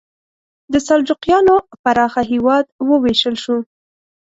د سلجوقیانو پراخه هېواد وویشل شو.